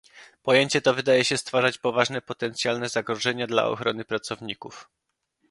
Pojęcie to wydaje się stwarzać poważne potencjalne zagrożenia dla ochrony pracowników